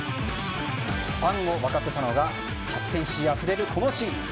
ファンを沸かせたのはキャプテン心あふれるこのシーン。